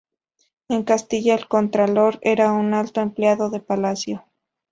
En Castilla el Contralor era un alto empleado de Palacio.